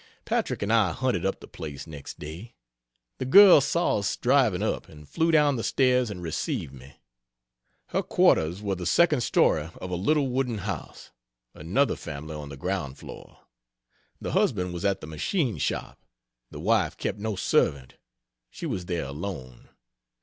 Patrick and I hunted up the place, next day; the girl saw us driving up, and flew down the stairs and received me. Her quarters were the second story of a little wooden house another family on the ground floor. The husband was at the machine shop, the wife kept no servant, she was there alone.